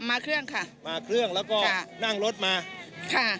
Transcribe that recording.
มาเครื่องค่ะมาเครื่องแล้วก็นั่งรถมาค่ะ